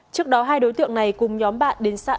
trước đó hai đối tượng này cùng nhóm bạn đến sài gòn